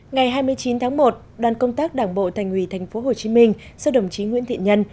ngày hai mươi chín tháng một đoàn công tác đảng bộ thành ủy tp hcm do đồng chí nguyễn thiện nhân